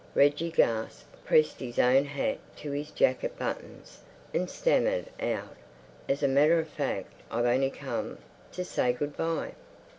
Reggie gasped, pressed his own hat to his jacket buttons, and stammered out, "As a matter of fact, I've only come... to say good bye."